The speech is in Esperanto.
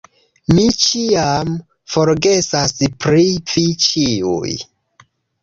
Mi ĉiam forgesas pri vi ĉiuj